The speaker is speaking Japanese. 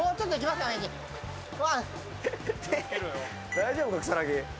大丈夫か、草薙。